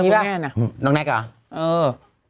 นี่แหละน้องแน็คเหรอ